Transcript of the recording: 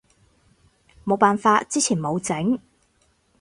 冇辦法，之前冇整